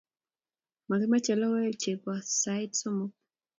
makimache lokoek che po sait somok